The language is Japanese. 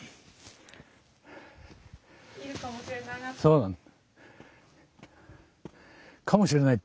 そうなの。